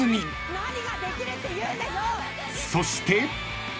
［そして］